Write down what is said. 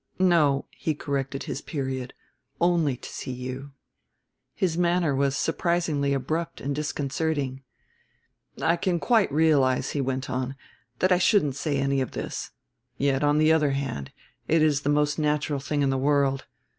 No," he corrected his period, "only to see you." His manner was surprisingly abrupt and disconcerting. "I can quite realize," he went on, "that I shouldn't say any of this. Yet, on the other hand, it is the most natural thing in the world.